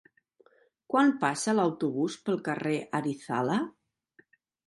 Quan passa l'autobús pel carrer Arizala?